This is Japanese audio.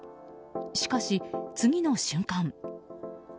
しかし、次の瞬間。